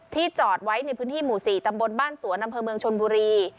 จอดไว้ในพื้นที่หมู่๔ตำบลบ้านสวนอำเภอเมืองชนบุรี